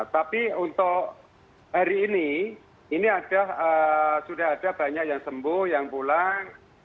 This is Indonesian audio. tapi untuk hari ini ini sudah ada banyak yang sembuh yang pulang